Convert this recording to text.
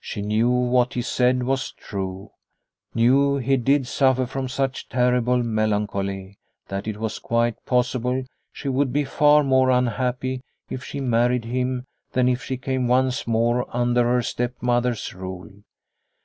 She knew what he said was true, knew he did suffer from such terrible melancholy, that it was quite possible she would be far more unhappy if she married him than if she came once more under her step mother's rule.